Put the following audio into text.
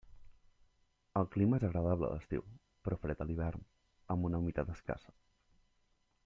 El clima és agradable a l'estiu, però fred a l'hivern, amb una humitat escassa.